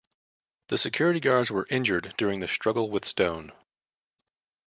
The security guards were injured during the struggle with Stone.